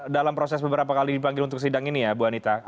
dalam proses beberapa kali dipanggil untuk sidang ini ya bu anita